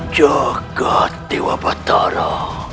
jaga dewa batara